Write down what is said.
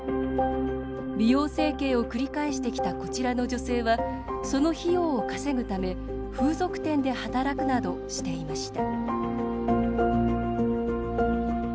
美容整形を繰り返してきたこちらの女性はその費用を稼ぐため風俗店で働くなどしていました。